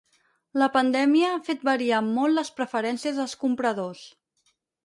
La pandèmia ha fet variar molt les preferències dels compradors.